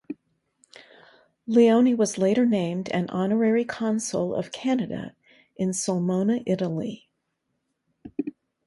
Leone was later named an Honorary Consul of Canada in Sulmona, Italy.